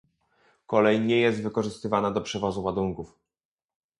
Kolej nie jest wykorzystywana do przewozu ładunków